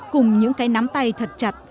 cùng những cái nắm tay thật chặt